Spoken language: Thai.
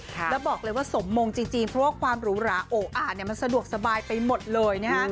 แล้วบอกเลยว่าสมมงจริงเพราะว่าความหรูหราโออ่านมันสะดวกสบายไปหมดเลยนะฮะ